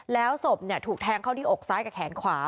แล้วศพถูกแทงเข้าที่อกซ้ายกับแขนขวา